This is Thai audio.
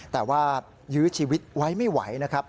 แต่ว่ายื้อชีวิตไว้ไม่ไหวนะครับ